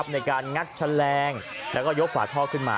ในการงัดแฉลงแล้วก็ยกฝาท่อขึ้นมา